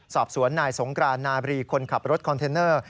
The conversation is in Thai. สอบสวนนายสงกรานนาบรีคนขับรถคอนเทนเนอร์